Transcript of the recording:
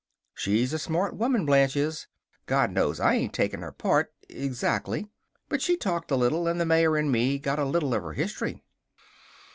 She's a smart woman, Blanche is! God knows I ain't taking her part exactly; but she talked a little, and the mayor and me got a little of her history."